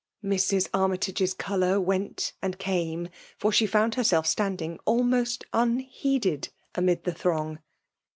Mrs. Amytage*8 colour went and came« for al^e found hevself standing almost unheeded amid the throng